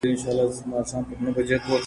دا سندري له هغه خوږه ده!!